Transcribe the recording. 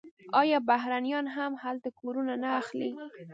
آیا بهرنیان هم هلته کورونه نه اخلي؟